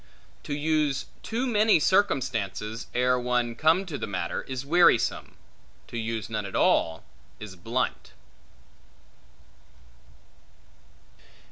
To use too many circumstances, ere one come to the matter, is wearisome; to use none at all, is blunt.